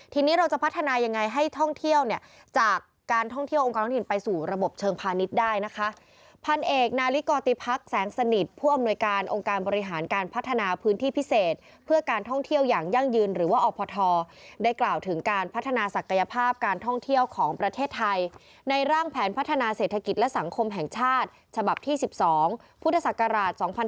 ทีนี้เราก็จะพัฒนายังไงให้ท่องเที่ยวเนี่ยจากการท่องเที่ยวองค์การท่องถิ่นไปสู่ระบบเชิงพาณิชย์ได้นะคะ